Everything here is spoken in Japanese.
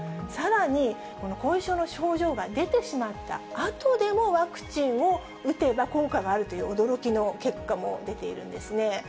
さらに、後遺症の症状が出てしまったあとでも、ワクチンを打てば効果があるという、驚きの結果も出ているんですね。